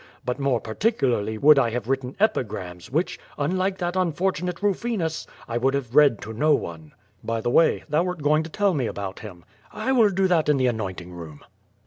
But more particu larly would I have written epigrams, which, unlike that unfortunate Bufinus, I would have read to no one." "By the way, thou wert going to tell me about him." "I will do that in the anointing room."